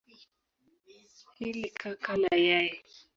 Hili kaka la yai